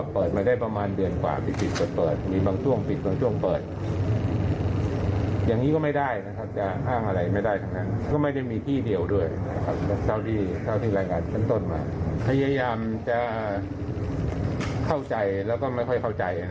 พยายามจะเข้าใจแล้วก็ไม่ค่อยเข้าใจ